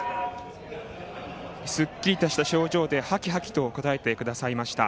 すっきりとした表情ではきはきと答えてくださいました。